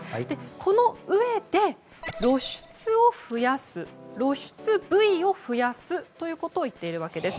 このうえで露出部位を増やすということを言っているわけです。